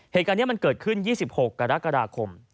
เหตุการณ์นี้มันเกิดขึ้น๒๖กรกฎาคม